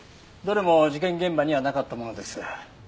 どれも事件現場にはなかったものです。